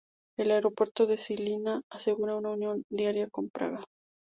El aeropuerto de Žilina asegura una unión diaria con Praga.